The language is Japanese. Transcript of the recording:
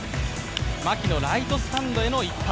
牧のライトスタンドへの一発。